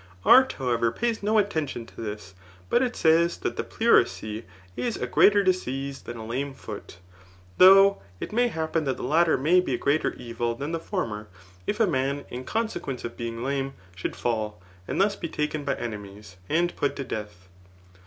Art, however, pays no attention to this ; but it says that the pleurisy is a greater disease than a lame foot, though it may hap pen that the latter may be a greater evil than the former, if a man, in consequence of being lame, should fall, and thus be taken by enemies, and put to death.